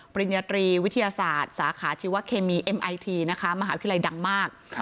ปริญญาตรีวิทยาศาสตร์สาขาชีวะเคมีเอ็มไอทีนะคะมหาวิทยาลัยดังมาก